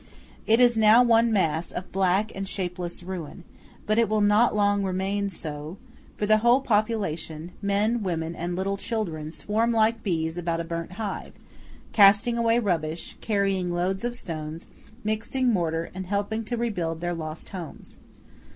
It is now one mass of black and shapeless ruin; but it will not long remain so, for the whole population, men, women, and little children, swarm like bees about a burnt hive, casting away rubbish, carrying loads of stones, mixing mortar, and helping to rebuild their lost homes.